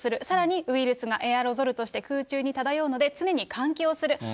さらにウイルスがエアロゾルとして、空中に漂うので、常に換気をする。